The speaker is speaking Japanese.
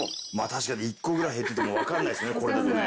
確かに１個ぐらい減ってても分かんないですね